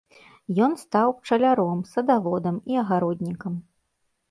Ён стаў пчаляром, садаводам і агароднікам.